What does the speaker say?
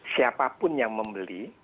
siapapun yang membeli